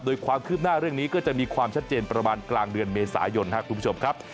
โดยความคืบหน้าเรื่องนี้ก็จะมีความชัดเจนประมาณกลางเดือนเมษายนครับคุณผู้ชมครับ